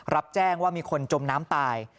รับแจ้งว่ามีคนจมน้ำตาย